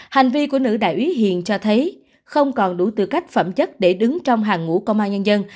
hành vi của nữ đại úy hiền cho thấy không còn đủ tư cách phẩm chất để đứng trong hàng ngũ công an nhân dân